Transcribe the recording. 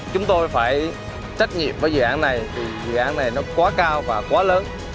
chúng tôi phải trách nhiệm với dự án này thì dự án này nó quá cao và quá lớn